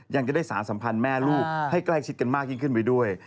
ยังจะได้สารสัมพันธ์แม่ลูกให้ใกล้ชิดกันมากยิ่งขึ้นไปด้วย